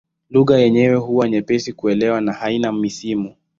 Lugha yenyewe huwa nyepesi kuelewa na haina misimu.